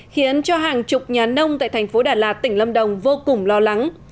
khiến cho hàng chục nhà nông tại thành phố đà lạt tỉnh lâm đồng vô cùng lo lắng